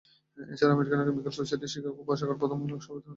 এছাড়াও American chemical সোসাইটির Chicago শাখার প্রথম মহিলা সভাপতিও তিনি।